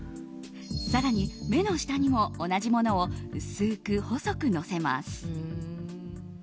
更に目の下にも同じものを薄く細くのせます。